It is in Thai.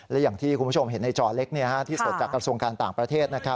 และอย่างที่คุณผู้ชมเห็นในจอเล็กที่สดจากกระทรวงการต่างประเทศ